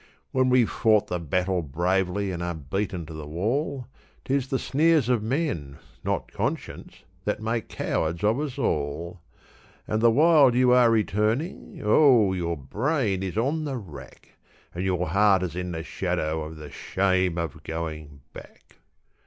When we've fought the battle bravely and are beaten to the wall, 'Tis the sneers of men, not conscience, that make cowards of us all; And the while you are returning, oh! your brain is on the rack, And your heart is in the shadow of the shame of going back.